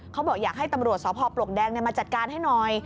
เขาบอกอยากให้ตำรวจสพปลวกแดงมาจัดการให้หน่อย